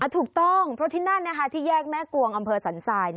ถูกต้องเพราะที่นั่นที่แยกแม่กวงอำเภอสันทราย